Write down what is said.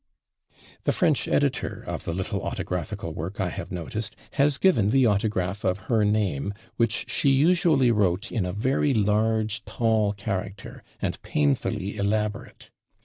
The French editor of the little autographical work I have noticed has given the autograph of her name, which she usually wrote in a very large tall character, and painfully elaborate.